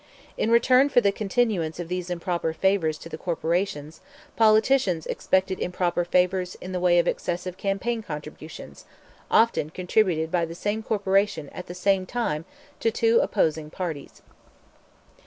In return for the continuance of these improper favors to the corporations the politicians expected improper favors in the way of excessive campaign contributions, often contributed by the same corporation at the same time to two opposing parties.